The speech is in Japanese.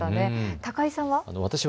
高井さんは？